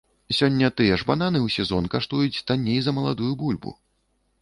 Сёння тыя ж бананы ў сезон каштуюць танней за маладую бульбу.